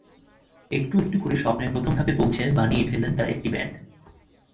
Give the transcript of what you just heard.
একটু একটু করে স্বপ্নের প্রথম ধাপে পৌঁছে বানিয়েই ফেললেন তাঁরা একটি ব্যান্ড।